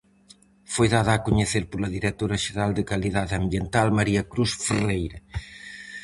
Foi dada a coñecer pola directora xeral de Calidade Ambiental, María Cruz Ferreira.